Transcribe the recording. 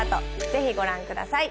ぜひご覧ください